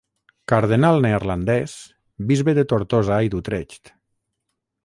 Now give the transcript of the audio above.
Cardenal neerlandès, bisbe de Tortosa i d'Utrecht.